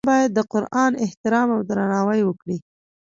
مسلمان باید د قرآن احترام او درناوی وکړي.